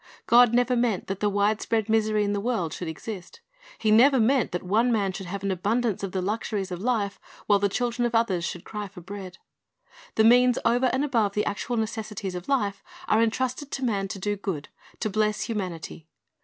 God never meant that the wide spread misery in the world should exist. He never meant that one man should have an abundance of the luxuries of life, while the children of others should cry for bread. The means over and above the actual necessities of life are entrusted to man to do good, to bless humanity.